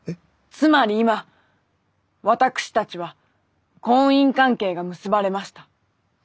つまり今私たちは婚姻関係が結ばれました。